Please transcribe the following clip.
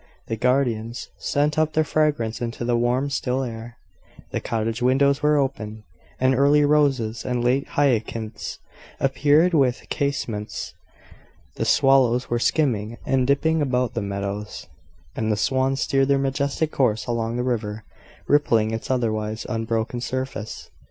The gardens sent up their fragrance into the warm, still air: the cottage windows were open, and early roses and late hyacinths appeared within the casements. The swallows were skimming and dipping about the meadows; and the swans steered their majestic course along the river, rippling its otherwise unbroken surface.